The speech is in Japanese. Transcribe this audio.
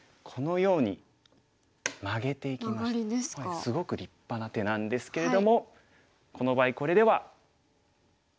すごく立派な手なんですけれどもこの場合これでは。